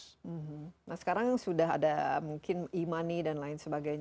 nah sekarang sudah ada mungkin e money dan lain sebagainya